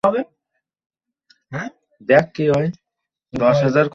ঠাকুরগাঁও-পঞ্চগড় মহাসড়কের এগার মাইল এলাকায় বাসের ধাক্কায় দুই নির্বাচনী কর্মকর্তা নিহত হয়েছেন।